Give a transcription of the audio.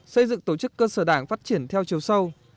xây dựng tổ chức cơ sở đảng phát triển theo chiều sâu